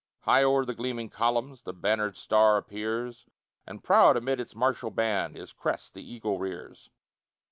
High o'er the gleaming columns, The bannered star appears, And proud amid its martial band, His crest the eagle rears.